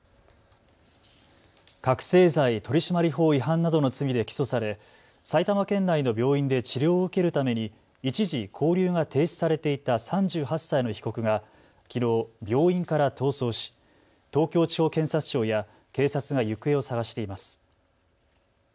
覚醒剤取締法違反などの罪で起訴され埼玉県内の病院で治療を受けるために一時、勾留が停止されていた３８歳の被告がきのう、病院から逃走し東京地方検察庁や警察が行方を捜しています。